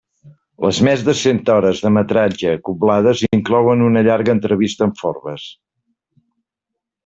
Les més de cent hores de metratge acoblades inclouen una llarga entrevista amb Forbes.